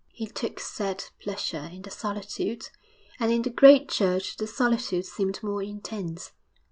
He took sad pleasure in the solitude, and in the great church the solitude seemed more intense.